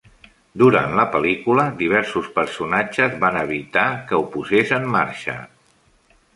Durant la pel·lícula, diversos personatges van evitar que ho posés en marxa.